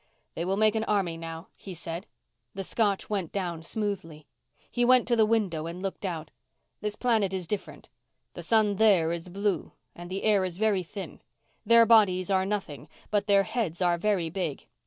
"They will make an army now," he said. The Scotch went down smoothly. He went to the window and looked out. "This planet is different. The sun there is blue and the air is very thin. Their bodies are nothing, but their heads are very big.